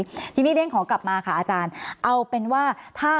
อื่นได้จริงไหมที่นี่เรียกขอกลับมาค่ะอาจารย์เอาเป็นว่าถ้า